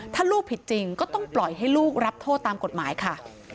ถ้าลูกผิดจริงก็ต้องปล่อยให้ลูกรับโทษตามกฎหมายค่ะ